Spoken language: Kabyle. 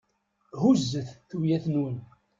Huzzet tuyat-nwen.